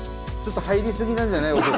ちょっと入りすぎなんじゃない？